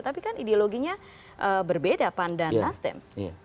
tapi kan ideologinya berbeda pandan lastem